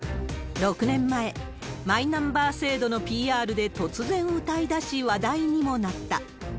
６年前、マイナンバー制度のＰＲで突然歌いだし、話題にもなった。